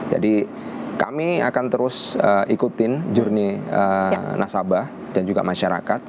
jadi kami akan terus ikutin journey nasabah dan juga masyarakat